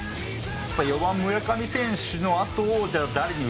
４番村上選手のあとを。